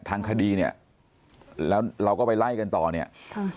ทางคดีเนี่ยแล้วเราก็ไปไล่กันต่อเนี่ยค่ะ